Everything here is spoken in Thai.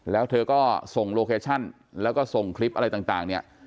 แล้วเธอก็ส่งโลเคชั่นแล้วก็ส่งคลิปอะไรต่างเนี่ย